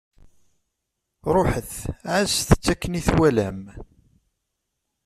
Ṛuḥet, ɛasset-tt akken i twalam.